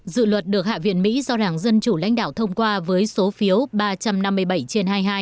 dự luật được hạ viện mỹ do đảng dân chủ lãnh đạo thông qua với số phiếu ba trăm năm mươi bảy trên hai mươi hai